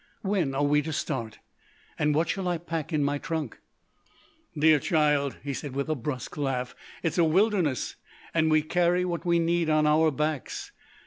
"When are we to start? And what shall I pack in my trunk?" "Dear child," he said with a brusque laugh, "it's a wilderness and we carry what we need on our backs.